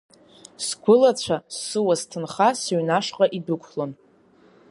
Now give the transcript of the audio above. Сгәылацәа, суа-сҭынха сыҩнашҟа идәықәлон.